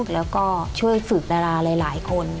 แล้วก็ช่วยฝึกดาราหลายคน